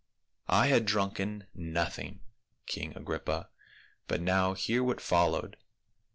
" I had drunken nothing, king Agrippa. But now hear what followed.